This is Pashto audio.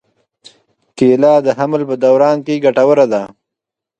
کېله د حمل په دوران کې ګټوره ده.